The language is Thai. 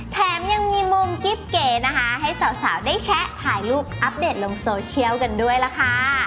แถมยังมีมุมกิ๊บเก๋นะคะให้สาวได้แชะถ่ายรูปอัปเดตลงโซเชียลกันด้วยล่ะค่ะ